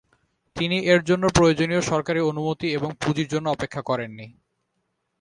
তিনি এর জন্য প্রয়োজনীয় সরকারী অনুমতি এবং পুঁজির জন্য অপেক্ষা করেননি।